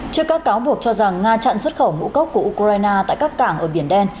trước các cáo buộc cho rằng nga chặn xuất khẩu ngũ cốc của ukraine tại các cảng ở biển đen